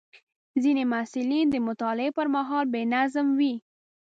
ځینې محصلین د مطالعې پر مهال بې نظم وي.